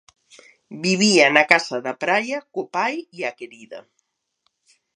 Vivía na casa da praia co pai e a querida.